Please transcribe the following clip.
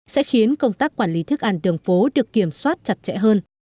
sẽ khiến công tác quản lý thức ăn đường phố được kiểm soát chặt chẽ hơn